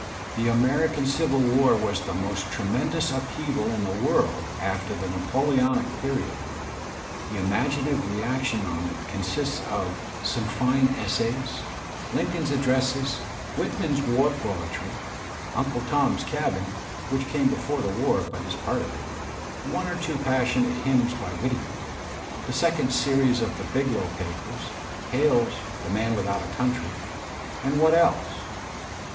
The American Civil War was . the most tremendous upheaval in the world after the Napo , Iconic period. The imaginative reaction on it consists of Digitized by Google GENERAL CHARACTERISTICS IS some fine essays, Lincoln's addresses. Whitman's war poetry, "Unde Tom's Cabin" (which came before the war but is part of it), one or two passionate hymns by Whittier, the second series of the "Biglow Papers," Hale's "The Man \^ithout a Country" — and what else?